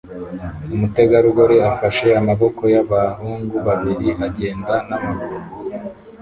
Umutegarugori afashe amaboko y'abahungu babiri agenda n'amaguru